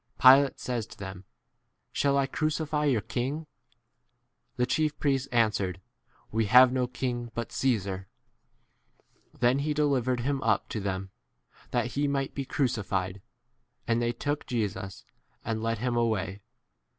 Pilate says to them, Shall I crncify your king ? The chief priests answered, We 16 have no king but Caesar. Then he delivered him up to them, that he might be crucified; and they took Jesus and led him away.